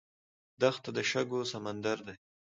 دښته د شګو سمندر دی.